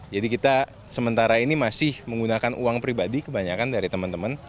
jadi kita sementara ini masih menggunakan uang pribadi kebanyakan dari teman teman